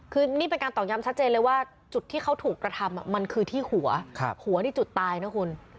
คือนี่เป็นการตอกย้ำชัดเจนเลยว่าจุดที่เขาถูกกระทำมันคือที่หัวหัวที่จุดตายนะคุณ